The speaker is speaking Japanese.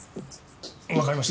わかりました。